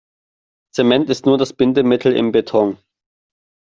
Zement ist nur das Bindemittel im Beton.